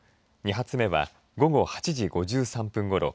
２発目は午後８時５３分ごろ。